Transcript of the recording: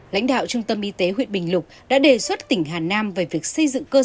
lãnh đạo trung tâm y tế huyện bình lục đã đề xuất tỉnh hà nam về việc xây dựng cơ sở